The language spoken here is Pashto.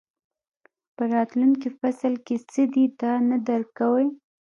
په راتلونکي فصل کې څه دي دا نه درک کوئ.